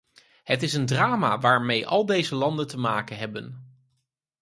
Het is een drama waarmee al deze landen te maken hebben.